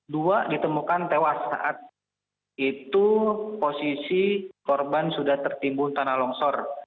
dua ditemukan tewas saat itu posisi korban sudah tertimbun tanah longsor